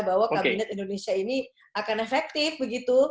bahwa kabinet indonesia ini akan efektif begitu